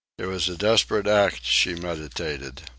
It was a desperate act she meditated.